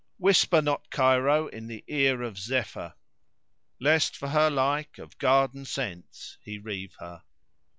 Whisper not Cairo in the ear of Zephyr, * Lest for her like of garden scents he reave her.